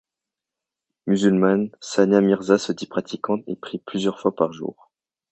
Musulmane, Sania Mirza se dit pratiquante et prie plusieurs fois par jour.